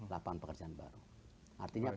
lapangan pekerjaan baru artinya